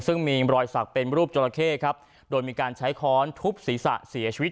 ซึ่งมีรอยสักเป็นรูปจราเข้ครับโดยมีการใช้ค้อนทุบศีรษะเสียชีวิต